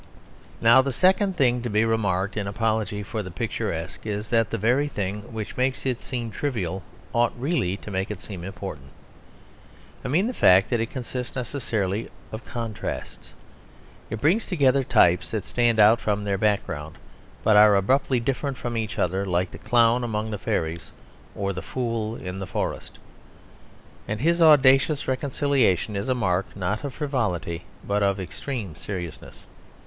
Now the second thing to be remarked in apology for the picturesque is, that the very thing which makes it seem trivial ought really to make it seem important; I mean the fact that it consists necessarily of contrasts. It brings together types that stand out from their background, but are abruptly different from each other, like the clown among the fairies or the fool in the forest. And his audacious reconciliation is a mark not of frivolity but of extreme seriousness.